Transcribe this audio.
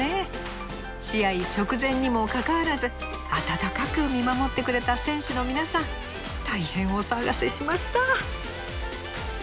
試合直前にもかかわらず温かく見守ってくれた選手の皆さん大変お騒がせしました！